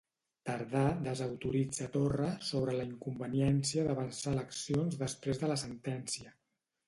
Tardà desautoritza Torra sobre la inconveniència d'avançar eleccions després de la sentència.